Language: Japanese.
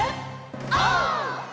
オー！